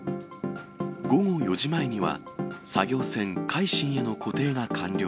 午後４時前には、作業船、海進への固定が完了。